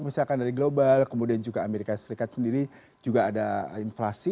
misalkan dari global kemudian juga amerika serikat sendiri juga ada inflasi